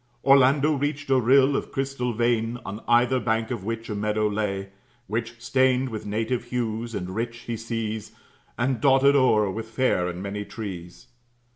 Orlando reached a rill of crystal vein, On either bank of which a meadow lay; Which, stained with native hues and rich, he sees, And dotted o'er with fair and many trees.